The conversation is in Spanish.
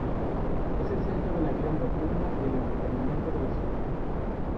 Es el centro de la vida nocturna y el entretenimiento de la ciudad.